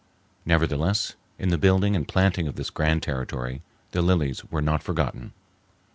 Nevertheless, in the building and planting of this grand Territory the lilies were not forgotten.